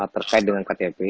terkait dengan ktp